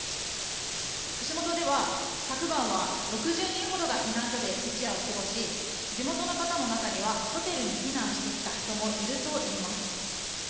串本では昨晩は６０人ほどが避難所で一夜を過ごし地元の方の中にはホテルに避難してきた人もいるといいます。